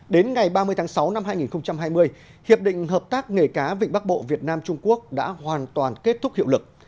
đến ngày ba mươi tháng sáu năm hai nghìn hai mươi hiệp định hợp tác nghề cá vịnh bắc bộ việt nam trung quốc đã hoàn toàn kết thúc hiệu lực